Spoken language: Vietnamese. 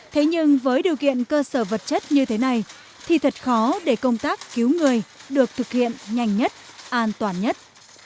thế nhưng với điều kiện cơ sở vật chất như thế này thì thật khó để công tác cứu người được thực hiện nhanh nhất an toàn nhất